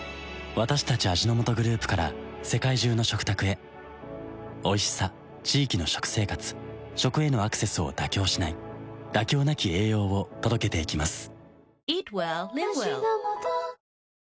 私たち味の素グループから世界中の食卓へおいしさ地域の食生活食へのアクセスを妥協しない「妥協なき栄養」を届けていきます